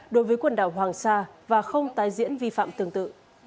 đối với quần đảo hoàng sa và không tái diễn vi phạm tương tự